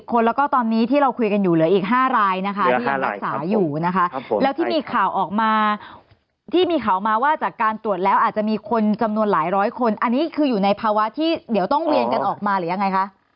คนแล้วก็ตอนนี้ที่เราคุยกันอยู่เหลืออีก๕รายนะคะที่ยังรักษาอยู่นะคะแล้วที่มีข่าวออกมาที่มีข่าวมาว่าจากการตรวจแล้วอาจจะมีคนจำนวนหลายร้อยคนอันนี้คืออยู่ในภาวะที่เดี๋ยวต้องเวียนกันออกมาหรือยังไงคะ